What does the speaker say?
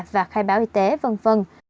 và khai báo y tế v v